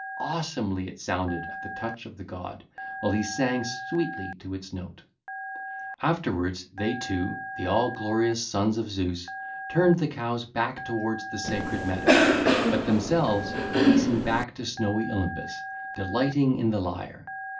Awesomely it sounded at the touch of the god, while he sang sweetly to its note. (ll. 503 512) Afterwards they two, the all glorious sons of Zeus turned the cows back towards the sacred meadow, but themselves hastened back to snowy Olympus, delighting in the lyre.